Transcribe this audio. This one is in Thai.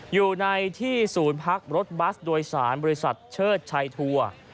อยู่ในที่ศูนย์พักรถบัสโดยสารบริษัทเชิดชัยทัวร์